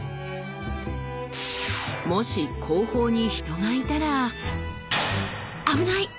もし後方に人がいたら危ない！